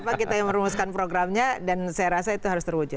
karena kita yang merumuskan programnya dan saya rasa itu harus terwujud